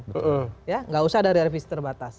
tidak usah dari revisi terbatas